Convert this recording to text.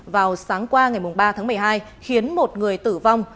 vào sáng qua ngày ba tháng một mươi hai khiến một người tử vong